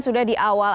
sudah di awal